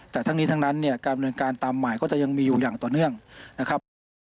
แต่ทั้งนี้ทั้งนั้นเนี่ยการดำเนินการตามหมายก็จะยังมีอยู่อย่างต่อเนื่องนะครับ